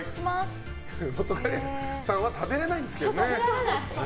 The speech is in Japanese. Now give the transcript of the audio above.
本仮屋さんは食べれないんですけどね。